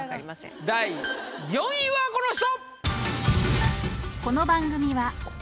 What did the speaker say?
第４位はこの人！